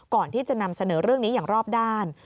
ก่อนที่จะนำเสนอเรื่องนี้อย่างรอบด้าน